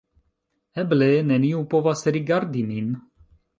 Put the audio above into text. Eble, neniu povas rigardi min